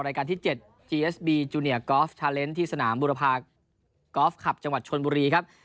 รายการที่เจ็ดจูเนียร์ที่สนามบุรพาคคลับจังหวัดชนบุรีครับ